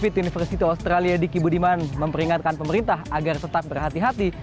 david university australia di kibudiman memperingatkan pemerintah agar tetap berhati hati